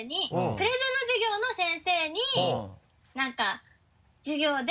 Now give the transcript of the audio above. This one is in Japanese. プレゼンの授業の先生になんか授業で。